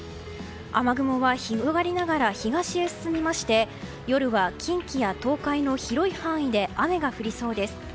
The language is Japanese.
雨雲は広がりながら東へ進みまして夜は近畿や東海の広い範囲で雨が降りそうです。